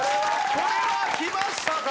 これはきましたか？